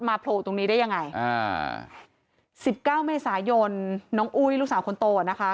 มาโผล่ตรงนี้ได้ยังไง๑๙เมษายนต์น้องอุ้ยลูกสาวคนโตนะคะ